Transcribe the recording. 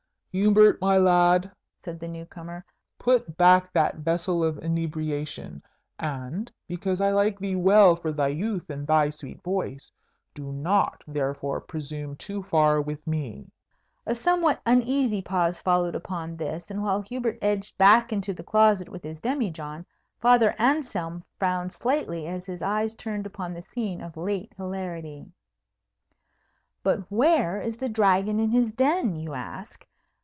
"Hubert, my lad," said the new comer, "put back that vessel of inebriation; and, because I like thee well for thy youth and thy sweet voice, do not therefore presume too far with me." A somewhat uneasy pause followed upon this; and while Hubert edged back into the closet with his demijohn, Father Anselm frowned slightly as his eyes turned upon the scene of late hilarity. But where is the Dragon in his den? you ask.